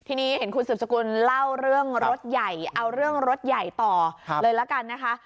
ทีนี้เห็นคุณสืบสกุลเล่าเรื่องรถใหญ่เอาเรื่องรถใหญ่ต่อเลยละกันนะคะ